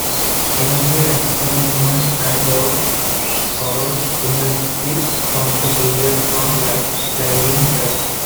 Every action, movement, and thought follows inevitably from the previous one, like playing jazz.